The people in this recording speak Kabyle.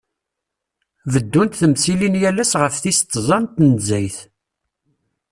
Beddunt temsirin yal ass ɣef tis tẓa n tnezzayt.